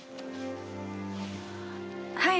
はい。